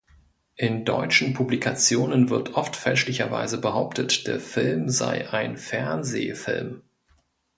In deutschen Publikationen wird oft fälschlicherweise behauptet, der Film sei ein Fernsehfilm.